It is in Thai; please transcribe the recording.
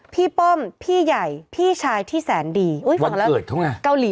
พี่ป้อมพี่ใหญ่พี่ชายที่แสนดีอุ๊ย